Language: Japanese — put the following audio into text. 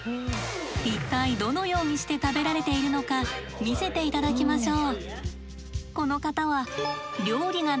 一体どのようにして食べられているのか見せて頂きましょう。